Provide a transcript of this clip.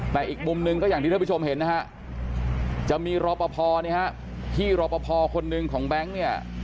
แต่อีกมุมหนึ่งก็อย่างที่ท่านผู้ชมเห็นนะฮะจะมีรอปภที่รอปภคนหนึ่งของแบงค์เนี่ย